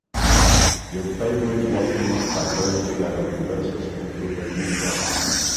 Your Favorite Weapon tardó en llegar a los diversos puntos del mundo.